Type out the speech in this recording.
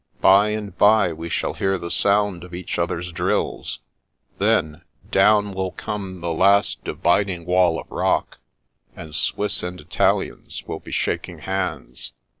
By and bye, we shall hear the sound of each other's drills ; then, down will come the last 82 The Princess Passes dividing wall of rock, and Swiss and Italians will be shaking hands."